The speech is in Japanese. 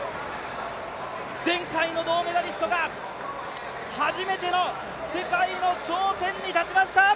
前回の銅メダリストが、初めての世界の頂点に立ちました！